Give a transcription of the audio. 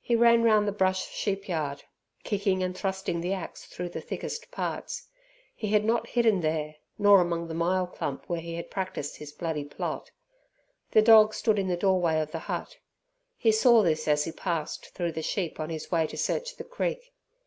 He ran round the brush sheepyard, kicking and thrusting the axe through the thickest parts. He had not hidden there, nor among the myall clump where he had practised his bloody plot. The dog stood at the doorway of the hut. He saw this as he passed through the sheep on his way to search the creek.